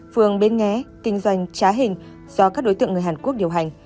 phường bến nghé kinh doanh trá hình do các đối tượng người hàn quốc điều hành